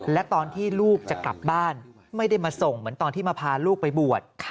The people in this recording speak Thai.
และตอนที่ลูกจะกลับบ้านไม่ได้มาส่งเหมือนตอนที่มาพาลูกไปบวช